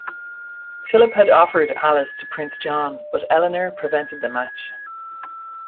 Philip had offered Alys to Prince John, but Eleanor prevented the match.